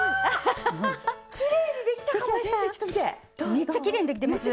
めっちゃきれいにできてます！